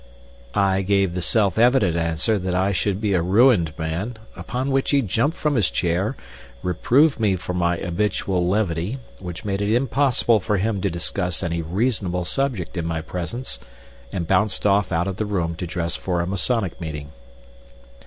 I gave the self evident answer that I should be a ruined man, upon which he jumped from his chair, reproved me for my habitual levity, which made it impossible for him to discuss any reasonable subject in my presence, and bounced off out of the room to dress for a Masonic meeting.